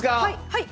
はい！